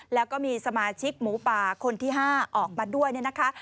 แล้วก็มีสมาชิกหมูป่าคนที่๕ออกมาด้วยเนี่ยนะคะ